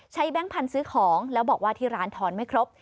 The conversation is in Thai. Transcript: แบงค์พันธุ์ซื้อของแล้วบอกว่าที่ร้านทอนไม่ครบ